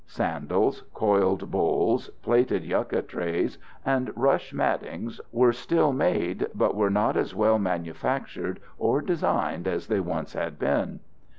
Sandals, coiled bowls, plaited yucca trays, and rush mattings were still made, but were not as well manufactured or designed as they once had been.